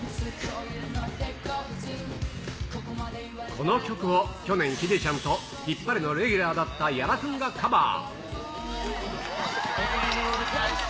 この曲を去年、ヒデちゃんとヒッパレのレギュラーだった屋良君がカバー。